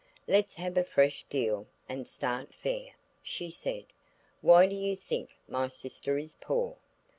"Let's have a fresh deal and start fair," she said; "why do you think my sister is poor?"